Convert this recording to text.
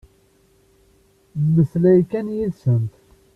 Mmeslay kan yid-sent.